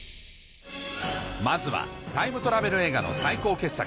まずはタイムトラベル映画の最高傑作